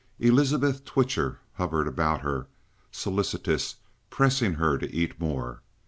Elizabeth Twitcher hovered about her, solicitous, pressing her to eat more.